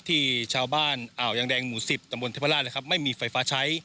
ที่ชาวบ้านอ่าวยังแดงหมู่๑๐ตำบลเทพราชนะครับไม่มีไฟฟ้าใช้